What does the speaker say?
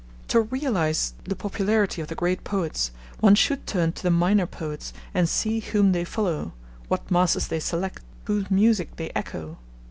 To realise the popularity of the great poets, one should turn to the minor poets and see whom they follow, what master they select, whose music they echo.